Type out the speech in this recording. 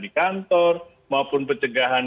di kantor maupun pencegahan